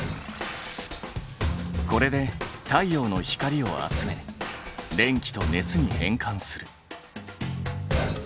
これで太陽の光を集め電気と熱に変換する。